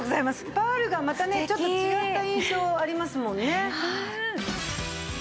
パールがまたねちょっと違った印象ありますもんね。